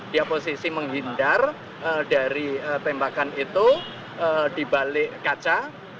dia posisi menghindar dari tembakan itu dibalik kaca